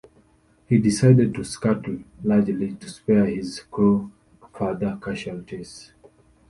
He decided to scuttle, largely to spare his crew further casualties.